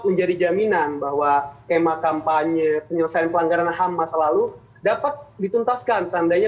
menjadi jaminan bahwa skema kampanye penyelesaian pelanggaran ham masa lalu dapat dituntaskan seandainya